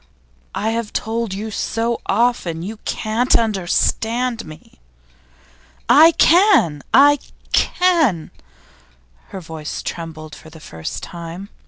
I have told you so often You can't understand me!' 'I can! I can!' Her voice trembled for the first time.